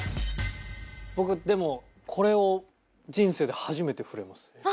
僕でもこれを人生で初めて触れます。